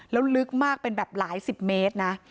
แล้วลึกมากเป็นแบบหลายสิบเมตรนะ